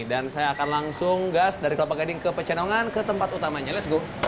dan saya akan langsung gas dari kelapa gading ke pecenongan ke tempat utamanya let s go